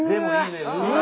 うわ！